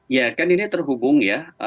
ya kan ini terhubung ya